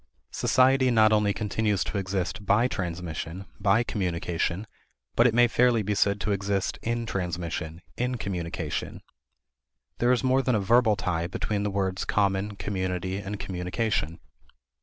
Society not only continues to exist by transmission, by communication, but it may fairly be said to exist in transmission, in communication. There is more than a verbal tie between the words common, community, and communication.